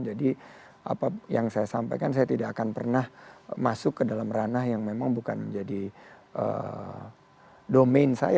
jadi apa yang saya sampaikan saya tidak akan pernah masuk ke dalam ranah yang memang bukan menjadi domain saya